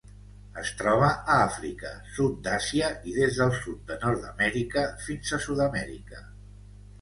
Es troba a Àfrica, sud d'Àsia i des del sud de Nord-amèrica fins a Sud-amèrica.